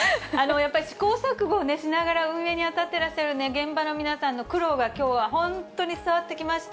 やっぱり試行錯誤をしながら運営に当たってらっしゃる現場の皆さんの苦労が、きょうは本当に伝わってきました。